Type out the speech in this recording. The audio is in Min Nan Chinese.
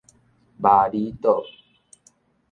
峇里島